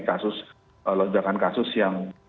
kasus lonjakan kasus yang